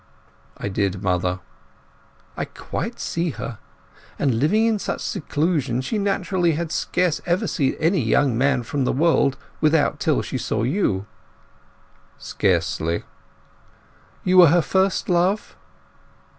"I did, mother." "I quite see her. And living in such seclusion she naturally had scarce ever seen any young man from the world without till she saw you." "Scarcely." "You were her first love?"